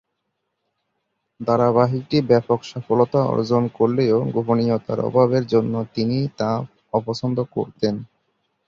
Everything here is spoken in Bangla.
ধারাবাহিকটি ব্যাপক সফলতা অর্জন করলেও গোপনীয়তার অভাবের জন্য তিনি তা অপছন্দ করতেন।